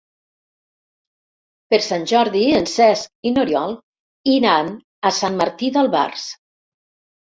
Per Sant Jordi en Cesc i n'Oriol iran a Sant Martí d'Albars.